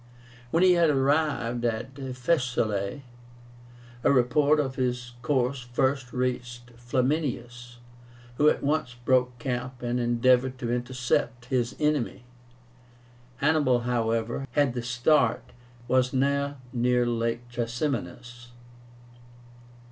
When he had arrived at Faesulae a report of his course first reached Flaminius, who at once broke camp and endeavored to intercept his enemy. Hannibal, however, had the start, and was now near LAKE TRASIMÉNUS.